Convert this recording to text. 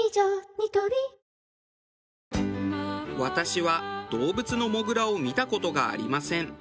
ニトリ私は動物のモグラを見た事がありません。